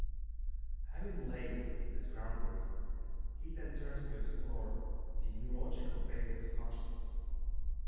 Having laid this groundwork, he then turns to explore the neurological basis of consciousness.